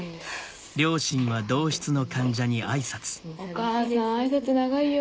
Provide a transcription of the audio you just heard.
お母さん挨拶長いよ。